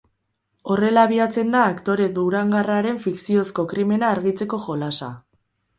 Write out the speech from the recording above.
Horrela abiatzen da aktore durangarraren fikziozko krimena argitzeko jolasa.